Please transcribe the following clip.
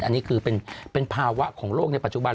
อันนี้คือเป็นภาวะของโลกในปัจจุบัน